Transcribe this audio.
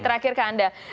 terakhir ke anda